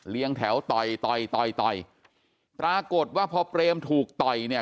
แถวต่อยต่อยต่อยต่อยปรากฏว่าพอเปรมถูกต่อยเนี่ย